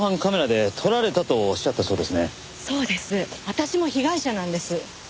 私も被害者なんです。